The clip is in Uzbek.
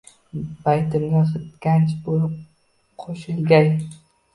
Baytimga ganj boʼlib qoʼshilgay.